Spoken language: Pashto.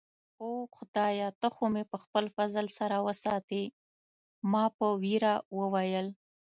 اوه، خدایه، ته خو مې په خپل فضل سره وساتې. ما په ویره وویل.